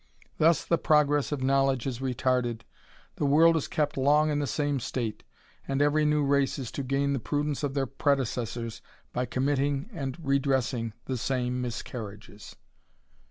Thus the progress of knowledge is retarded, the world is kept long in the same state, and every new race is to gain the prudence of their predecessors by committing and redressing the same miscarriages.